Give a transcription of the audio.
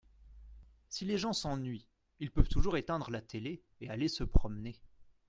Si les gens s’ennuient ils peuvent toujours éteindre la télé et aller se promener.